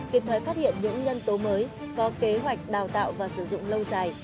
kịp thời phát hiện những nhân tố mới có kế hoạch đào tạo và sử dụng lâu dài